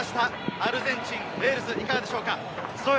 アルゼンチンとウェールズ、いかがでしょうか？